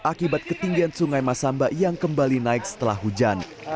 akibat ketinggian sungai masamba yang kembali naik setelah hujan